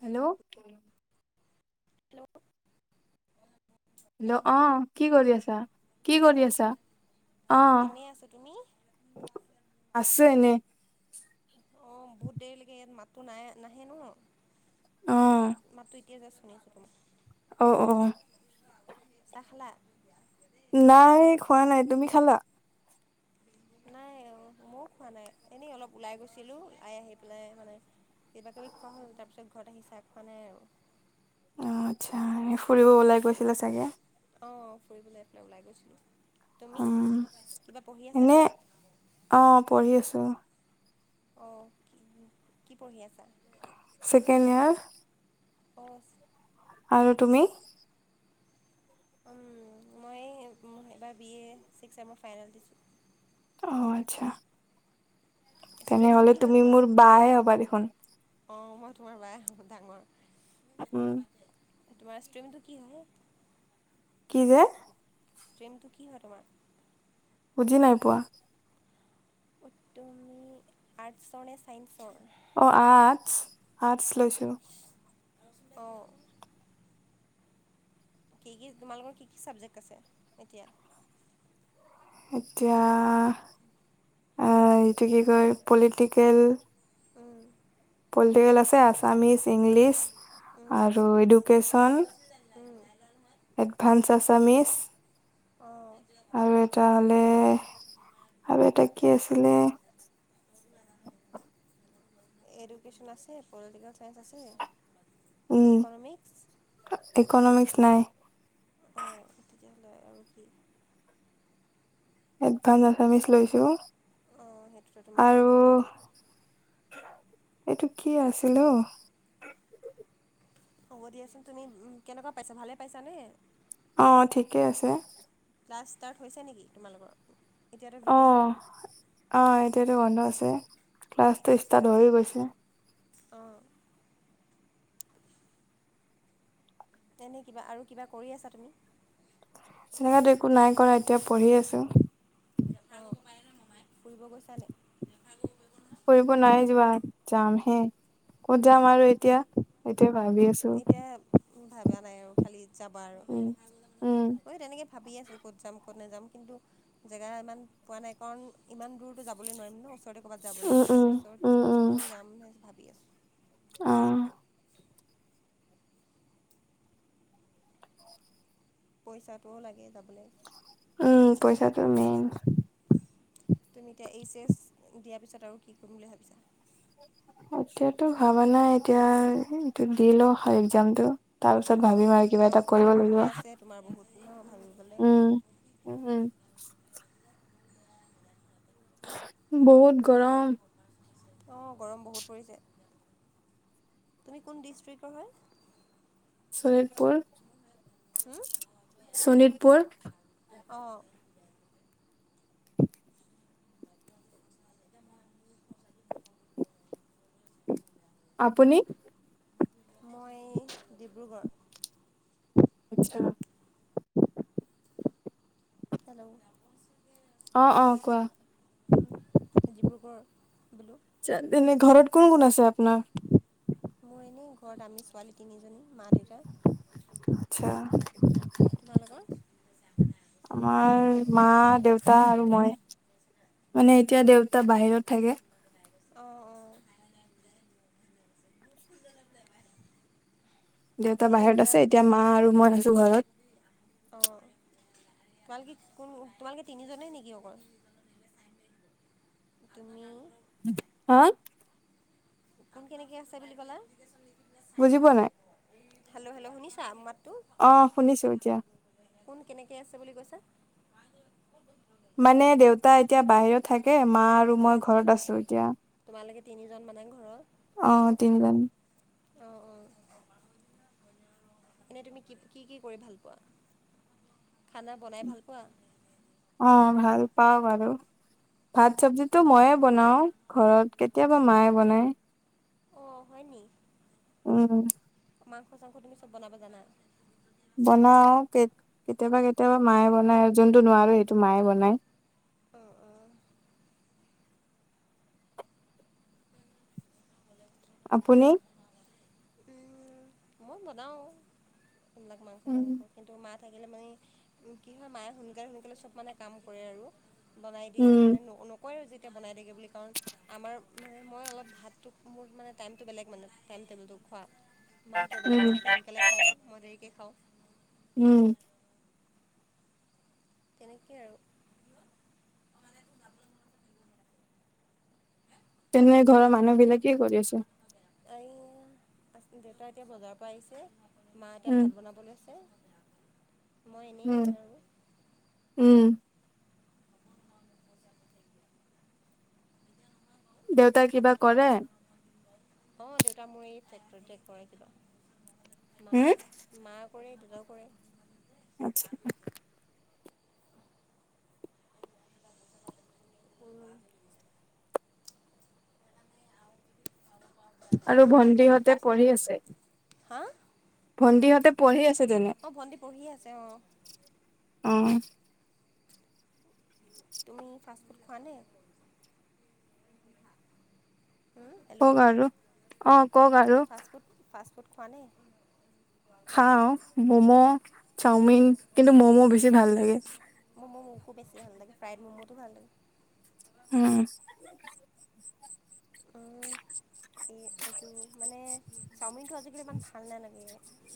Hello. Hello. Hello, অহ' কি কৰি আছা, কি শুনিছা কৰি আছা? অহ'। এনেই আছোঁ তুমি আছে এনেই। অ', বহুত দেৰিলৈকে ইয়াত মা টো নাই নাহে ন। অ মাত-মাতো এতিয়া জাষ্ট শুনিছোঁ তোমাৰ। অ', অ'। চাহ খালা? নাই খোৱা নাই, তুমি খালা? নাই অ ময়ো খোৱা নাই। এনেই অলপ ওলাই গৈছিলো ওলাই আহি পেলাই মানে কিবা-কিবি খোৱা হ'ল, তাৰ পিছত ঘৰত আহি চাহ খোৱা নাই আৰু। অ', আচ্ছা ফুৰিব ওলাই গৈছিলা চাগে। অ', ফুৰিবলে এফালেই ওলাই গৈছিলো। তুমি, উম কিবা পঢ়ি এনে আছানে? পঢ়ি আছো অ' অ, কি কি পঢ়ি আছা? Second year. অফ আৰু তুমি মই এইবাৰ বি এ ছিক্স আৰু মই ফাইনেল দিছোঁ অ আচ্ছা ষ্ট্ৰীমটো তেনেহলে কি হয় তুমি তোমাৰ মোৰ বা হে হ'বা দেখোন। অঁ মই তোমাৰ বায়ে হম, ডাঙৰ উম। তোমাৰ ষ্ট্ৰিমটো কি হয়? কি যে? ষ্ট্ৰিমটো কি হয় তোমাৰ? বুজি নাই পোৱা। তুমি আৰ্টছৰ নে চাইন্ঞ্চৰ? অ', আৰ্টছ আৰ্টছ লৈছো। অ'। কি-কি তোমালোকৰ, কি-কি চাবজেক্ট আছে এতিয়া? এতিয়া, আহ এইটো কি কয় পলিটিকেল উম পলিটিকেল আছে, আছামিছ, ইংলিছ উম আৰু এডুকেশ্যন, উম এডভাঞ্চ আছামিজ, অঁ আৰু এটা হ'লে আৰু এটা কি আছিলে? এডুকেশ্যন আছে, পলিটিকেল চাইস আছে, উম ইকনমিক্স ইকনমিক্স নাই। অ', তেতিয়াহলে আৰু কি? এডভাঞ্চ আছামিচ লৈছো। অঁ সেইটোতো তোমাৰ আৰু এইটো কি আছিল অ হ'ব দিয়াচোন তুমি কেনেকুৱা পাইছা ভালে পাইছানে অ ঠিকেই আছে। ক্লাছ ষ্টাৰ্ট হৈছে নেকি তোমালোকৰ এতিয়াতো অ ভেকেশ্যন অ এতিয়াতো বন্ধ আছে ক্লাছটো ষ্টাৰ্ট হৈয়ে গৈছে অ তেনে কিবা আৰু কিবা কৰি আছা তুমি তেনেকো একো নাই কৰা এতিয়া পঢ়ি আছো ফুৰিব গৈছা নি ফুৰিব নাই যোৱা যাম হে কত যাম আৰু এতিয়া এতিয়া ভাবি আছো উ ভাবা নাই আৰু খালি যাবা আৰু উম উম মই তেনেকে ভাবি আছো ক'ত যাম কত নাযাম কিন্তু জেগা ইমান পোৱা নাই কাৰণ ইমান দূৰ দূৰতো যাবলৈ নোৱাৰিম ন ওচৰতে ক'ৰবাত যাব উম লাগিব তো উম ওচৰত উম উম ক'ত নো যাম বুলি ভাবি আছোঁ অ পইচাটোও লাগে যাবলে উম পইচাটো মেইন তুমি এতিয়া এইচ এচ দিয়াৰ পিছত আৰু কি কৰিম বুলি ভাবিছা এতিয়াটো ভবা নাই এতিয়া এইটো দি ল‌ও একজামটো তাৰ পিছত অঁ ভাবিম আৰু কিবা এতিয়াও এটা মানে কৰিব লাগিব সময় আছে তোমাৰ বহুত ন ভাবিবলৈ উম উম বহুত গৰম অঁ গৰম বহুত পৰিছে তুমি কোন দৃষ্টিকৰ হয় শোণিতপুৰ হুম শোণিতপুৰ অ' আপুনি মই ডিব্ৰুগড় আচছা হেল্ অ অ কোৱা উম ডিব্ৰুগড় বোলো তেনে ঘৰত কোন কোন আছে আপোনাৰ মোৰ এনেই ঘৰত আমি ছোৱালী তিনিজনী মা দেউতা আচ্ছা তোমালোকৰ আমাৰ মা দেউতা আৰু মই মানে এতিয়া দেউতা বাহিৰত থাকে অ অ দেউতা বাহিৰত আছে এতিয়া মা আৰু মই আছো ঘৰত অঁ তোমালোকে কোন তোমালোকে তিনিজনেই নেকি অকল তুমি হা কোন কেনেকে আছে বুলি ক'লো বুজি পোৱা নাই হেল্ল' শুনিছা মাতটো অ শুনিছো এতিয়া কোন কেনেকে আছে বুলি কৈছা মানে দেউতা এতিয়া বাহিৰত থাকে মা আৰু মই ঘৰত আছো এতিয়া তিনিজনমানে ঘৰত অ তিনিজন অ অ এনে তুমি কি কি কৰি ভাল পোৱা খানা বনাই ভাল পোৱা পাও বাৰু ভাত চব্জিটো মইয়ে বনাও ঘৰত কেতিয়াবা মায়ে বনায় অ হয়নি উম মাংস চাংস তুমি চব বনাব জানা বনাও কেতিয়াবা কেতিয়াবা মায়ে বনাই যোনটো নোৱাৰো সেইটো মায়ে বনায় অ অ আপুনি মই বনাও এইবিলাক মাংস চাংস উম কিন্তু মা থাকিলে মানে কি হয় মায়ে সোনকালে সোনকালে চব মানে কাম কৰে আৰু বনাই দিয়ে উম মানে ন নকয় আৰু [unintelligible] তেতিয়া বনাই দেগে বুলি কাৰণ আমাৰ মানে মই অলপ ভাতটো মোৰ মানে টাইমটো বেলেগ মানে টাইম টেবুলটো খোৱা মাহঁতৰ বেলেগ মাহঁতি সোনকালে খায় মই দেৰিকৈ খাওঁ উম তেনেকে আৰু তেনে ঘৰৰ মানুহ বিলাকে কি কৰি আছে দেউতা এতিয়া বজাৰৰ পৰা আহিছে মা এতিয়া উম ভাত বনাব লৈছে মই এনেই উম আৰু উম দেউতা কিবা কৰে অ দেউতা মোৰ এই ফ্ৰেক্টৰিটে কৰে কিবা মা হম মা কৰে [unintelligible] মা নকৰে [unintelligible] আচ্ছা [unintelligible] উম [unintelligible] আৰু তুমি ভন্টিহঁতে ফাষ্টফুড পঢ়ি আছে? ভণ্টিহঁতে পঢ়ি আছে তেনে অ ভণ্টি পঢ়ি আছে অ অ হয়নে হেল্ল' কগ আৰু অ কগ আৰু [unintelligible] চুট খোৱা নাই [unintelligible] খাওঁ মম' চাওমিন কিন্তু ম'ম' বেছি ভাল লাগে [unintelligible] বেছি ভাল লাগে ভালে [unintelligible] উম এই এইটো মানে চাওমিন টো আজিকালি ইমান ভাল নালাগে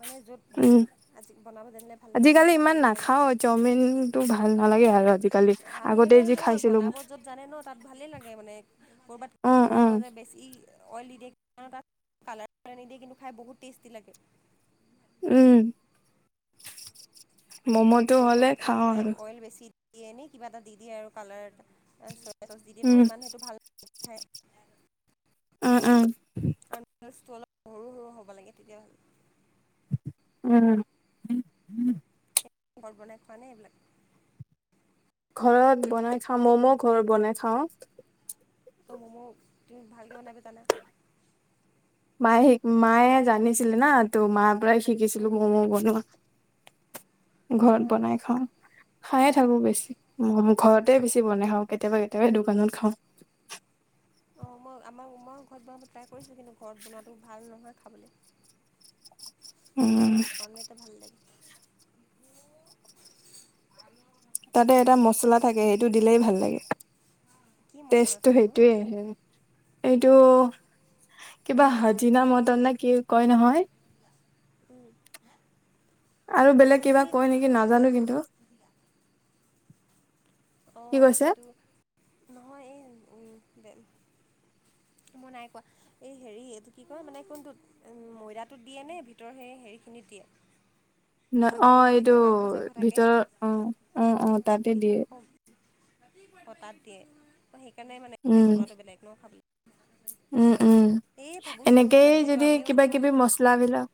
মানে য'ত উম, আজি বনাব যানিলে ভাল লাগেনে আজিকালি বনাব ইমান নাজানি লে নাখাও চাওমিনটো ভাল অঁ নালাগে অ আৰু আজিকালি ভাল আগতে নালাগে মানে যি নহয় খাইছিলো বনাব য'ত জানে ন তাত ভালে লাগে মানে কৰ'বাত অ অ [unintelligible] বেছি অইল দি দিয়ে তাত কালাৰাৰ নিদিয়ে কিন্তু খাই বহুত টেষ্টি লাগে [unintelligible] উম আৰু ম'ম'টো হ'লে ক'ৰবাত ক'ৰবাত খাওঁ মানে আৰু অইল বেছি দিয়ে এনে কিবা এটা দি দিয়ে আৰু কালাৰ চ চচ দি দিয়ে উম ইমান সেইটো ভাল ন [unintelligible] হে উম, উম, [unintelligible] অলপ সৰু সৰু হ'ব লাগে তেতিয়া উম, ঘৰত বনাই খোৱা নে এইবিলাক। ঘৰত বনাই খাওঁ ম'ম' ঘৰত বনাই খাওঁ। অ', ম'ম' তুমি ভালকে বনাব জানা? মায়ে শিক মায়ে জানিছিলে না তো মাৰ পৰাই শিকিছিলো ম'ম' বনোৱা। [unintelligible] ঘৰত অঁ বনাই খাও খাইয়ে থাকো বেছি ঘৰতে বেছি বনাই খাওঁ কেতিয়াবা কেতিয়াবাই দোকানত খাওঁ। অ', মই আমাৰ মই ঘৰত বনাব ট্ৰাই কৰিছোঁ কিন্তু ঘৰত বনোৱাটো ভাল নহয় খাবলৈ। উম সেইকাৰণে দোকানতে ভাল লাগে। [unintelligible] এটা মচলা থাকে সেইটো দিলেই ভাল লাগে, কি মছলা টেষ্টটো থাকেনো সেইটোয়ে আহে। এইটো, কিবা হাজিনা মটন নে কি কয় নহয়। উম, আৰু বেলেগ কিবা কয় নেকি নাজানো কিন্তু। কি অ', কৈছে এইটো, নহয় এ উম বে মই নাই কোৱা, এই হেৰি এইটো কি কয় মানে কোনটোত, ময়দাটোত দিয়েনে ভিতৰ সেই হেৰি খিনিত দিয়ে। ন অ, ভিতৰৰ এইটো যিখিনি মাংস চাংস থাকে ভিতৰৰ অ, অ, অ, তাতে দিয়ে। হঠাৎ দিয়ে সেইকাৰণে মানে [unintelligible] উম বনোৱাটো বেলেগ ন খাব উম, উম, ভাবোঁ চব্জি এনেকেই তবজিটো যদি আমিও কিবা দিওঁ কিবি মচলা বিলাক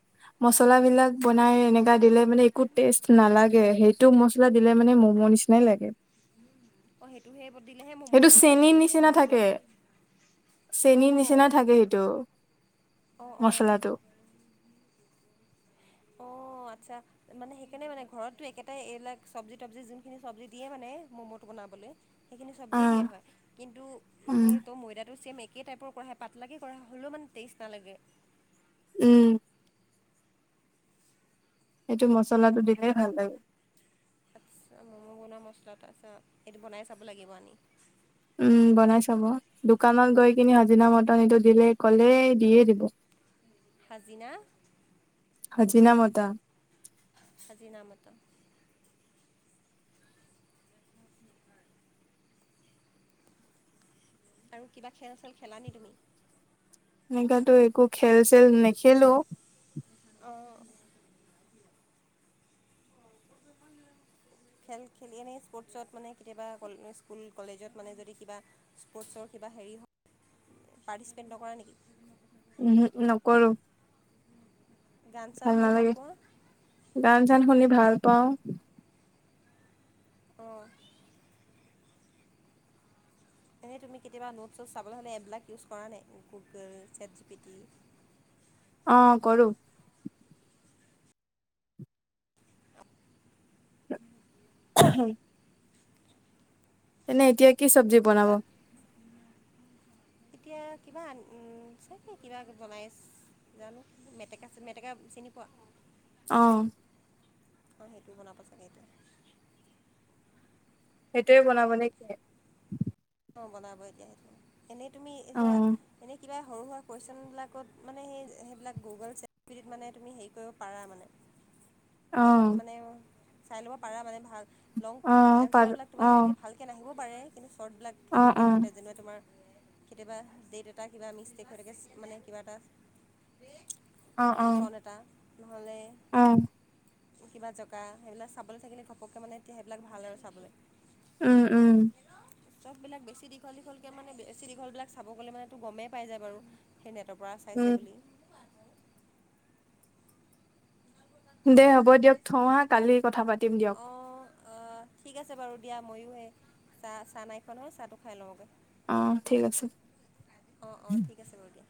মচলা বিলাক বনাই এনেকা দিলে মানে একো টেষ্ট নালাগে সেইটো মচছলা দিলে মানে ম'ম' নিচিনাই লাগে। অ', সেইটোহে [unintelligible] দিলেহে ম'ম' সেইটো মম' লাগে চেনীৰ নি নিচিনা গোন্ধটো থাকে আহে। চেনীৰ অঁ নিচিনা থাকে সেইটো, অঁ অঁ মচলাটো। অ', আচ্ছা, মানে সেইকাৰণে মানে ঘৰতো একেটাই এইবলাক চব্জি তবজি যোনখিনি চব্জি দিয়ে মানে ম'ম' এইটো বনাবলে, সেইখিনি অ চবজিয়ে দিয়া হয়, কিন্তু উম [unintelligible] মইডাটো চেম এক একেই টাইপৰ কৰা হয় পাতলাকে কৰা হ'লেও মানে টেষ্ট নালাগে। উম, সেইটো মচলাটো দিলে ভাল লাগে। তাৰছ মম' গুণা মছলা তাপিছত এইটো বনাই চাব লাগিব আনি উম বনাই চাব, দোকানত গৈ কিনি হাজিনা মটৰ এইটো দিলে ক'লে দিয়ে দিব। হাজিনা। আজিনা মতা। আজিনা মতা। আৰু কিবা খেল চেল খেলা নি তুমি? এনেকোৱাতো একো খেল চেল নেখেলো। অঁ [unintelligible] খেল খেলি এনেই স্পৰ্টছত মানে কেতিয়াবা স্কুল কলেজত মানে যদি কিবা স্পৰ্টছ [unintelligible] কিবা হেৰি হক, পাৰ্টিচিপেট নকৰা নেকি? উম নকৰো। গান চান ভাল শুনি নালাগে, পোৱা গান চান শুনি ভাল পাওঁ। অ', এনেই তুমি কেতিয়াবা নোট চোট চাবলৈ হ'লে এপবিলাক ইউজ কৰা নে, গুগল, চেটজিপিটি। [unintelligible] অ', কৰো। [unintelligible] এনে এতিয়া কি চব্জি বনাব? তাত এতিয়া কিবা আন, চে কিবা বনাইছ জানো, মেটেকা চি মেটেকা চিনি পোৱা? আহ অঁ সেইটোৱ শুনাব চাগে এইটোৱে সেইটোয়ে বনাব নেকি? অ বনাব এতিয়া এনেই তুমি এ অ', এনে কিবা? সৰু সুৰা কুৱেশন বিলাকত মানে সেই সেইবিলাক গুগল মানে তুমি হেৰি কৰিব পাৰা মানে ক'ত অ', মানে চাই ল'ব পাৰা মানে ভাল লং অ', পাৰো এনঞ্চাৰবিলাক তোমাৰ অ', সেনেকৈ ভালকৈ নাহিব পাৰে কিন্তু চ্বৰ্টবিলাক অ', তেনেকৈ অ', সেইতে যেনে তোমাৰ কেতিয়াবা ডেট এটা কিবা মিষ্টেক হৈ থাকে মানে। কিবা এটা ফন এটা নহ'লে আহ কিবা জেগা সেইবিলাক চাবলৈ থাকিলে ঘপককৈ মানে এতিয়া সেইবিলাক ভাল আৰু চাবলৈ উম উম চবিলাক বেছি দীঘ দীঘলকৈ মানে বেছি দীঘলিলাক চাব গলে মানে গমেই পাই যায় বাৰু সেনে তৰ পৰা চাইছে উম, বুলি দে হ'ব দিয়ক থওঁ হা কালি কথা পাতিম দিয়ক। অঁ ঠিক আছে বাৰু দিয়া ময়ো এই চাহ চাহ নাইখন হয় চাহটো খাই ল'মগৈ উম, ঠিক আছে। অঁ অঁ ঠিক আছে বাৰু দিয়া